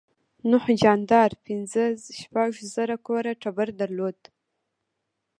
نوح جاندار پنځه شپږ زره کوره ټبر درلود.